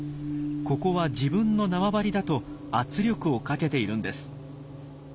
ここは自分の縄張りだと圧力をかけているんです。